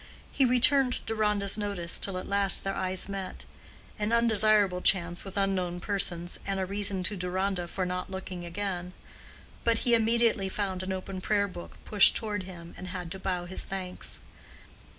He returned Deronda's notice till at last their eyes met; an undesirable chance with unknown persons, and a reason to Deronda for not looking again; but he immediately found an open prayer book pushed toward him and had to bow his thanks.